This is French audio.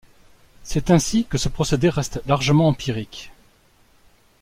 C'est ainsi que ce procédé reste largement empirique.